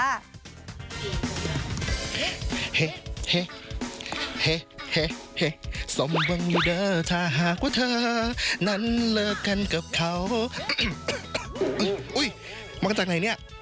อุ๊ยมาจากไหนเนี่ย